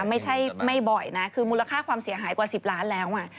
ไม่ใช่ไม่บ่อยนะคือมูลค่าความเสียหายกว่า๑๐ล้านแล้ว